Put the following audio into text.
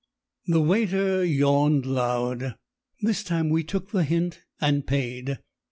The waiter yawned loud. This time we took the hint and paid.